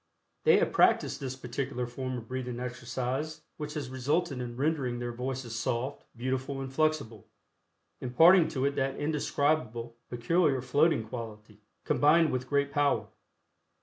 They have practiced this particular form of breathing exercise which has resulted in rendering their voices soft, beautiful and flexible, imparting to it that indescribable, peculiar floating quality, combined with great power.